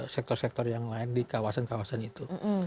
sektor sektor yang lain di kawasan kawasan itu